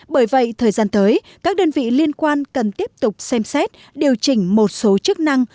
bởi vậy thời gian tới các đơn vị liên quan cần tiếp tục xem xét điều chỉnh một số chức năng